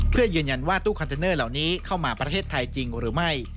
เพื่อยืนยันว่าตู้คอนเทนเนอร์เหล่านี้เข้ามาประเทศไทยจริงหรือไม่